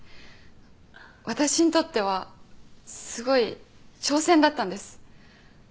私にとってはすごい挑戦だったんです。